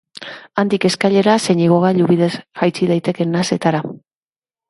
Handik eskailera zein igogailu bidez jaitsi daiteke nasetara.